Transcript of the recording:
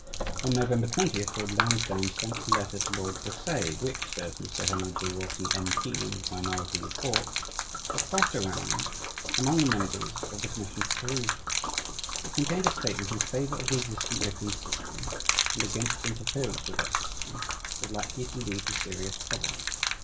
On November 20th Lord Lansdowne sent a letter to Lord Brassey, "which," says Mr. Henry J. Wilson, M. P., in his minority report, "was passed around among the members [of the commission] for perusal. It contained a statement in favour of the existing opium system, and against interference with that system as likely to lead to serious trouble.